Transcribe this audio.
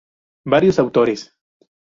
Varios autores.